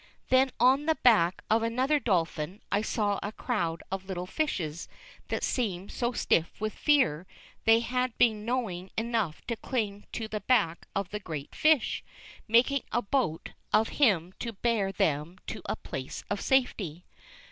Then on the back of another Dolphin, I saw a crowd of little fishes that seemed so stiff with fear, they had been knowing enough to cling to the back of the great fish, making a boat of him to bear them to a place of safety.